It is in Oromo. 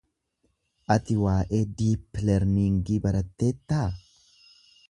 Ati waa'ee 'Deep Learning' baratteettaa?